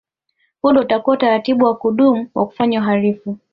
Huo ndio utakuwa utaratibu wa kudumu wa kufanya uhalifu